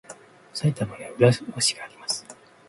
埼玉には浦和市があります。